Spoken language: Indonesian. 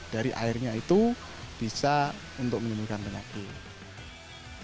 dari airnya itu bisa untuk menimbulkan penyakit